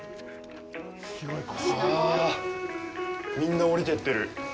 はあ、みんな下りてってる。